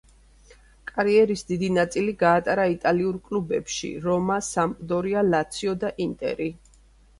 კარიერის დიდი ნაწილი გაატარა იტალიურ კლუბებში, რომა, სამპდორია, ლაციო და ინტერი.